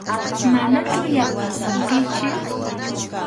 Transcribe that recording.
Manachu yarqasunkichik.